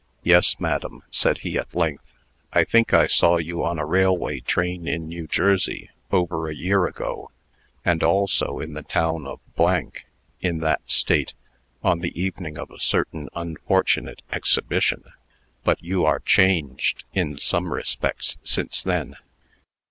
"Yes, madam," said he, at length. "I think I saw you on a railway train in New Jersey, over a year ago; and also in the town of , in that State, on the evening of a certain unfortunate exhibition. But you are changed, in some respects, since then."